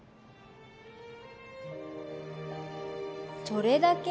それだけ？